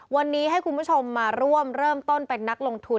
วันนี้ให้คุณผู้ชมมาร่วมเริ่มต้นเป็นนักลงทุน